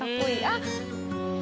あっ！